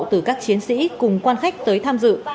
từ các chiến sĩ cùng quan khách tới tham dự